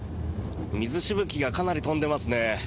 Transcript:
水しぶきがかなり飛んでますね。